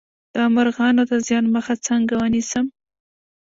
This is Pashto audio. د مرغانو د زیان مخه څنګه ونیسم؟